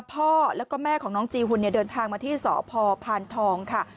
พ่อแล้วก็แม่ของน้องจีหุ่นเนี่ยเดินทางมาที่สพพานทองค่ะ